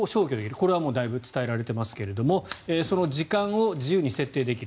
これはだいぶ伝えられていますがその時間を自由に設定できる。